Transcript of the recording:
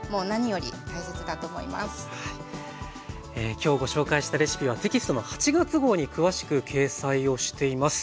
今日ご紹介したレシピはテキストの８月号に詳しく掲載をしています。